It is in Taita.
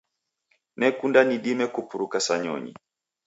Nekunda nidime kupuruka sa nyonyi